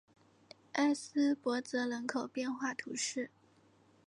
埃斯珀泽人口变化图示